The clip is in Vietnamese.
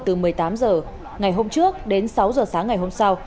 từ một mươi tám h ngày hôm trước đến sáu h sáng ngày hôm sau